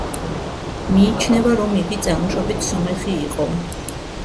მიიჩნევა, რომ იგი წარმოშობით სომეხი იყო.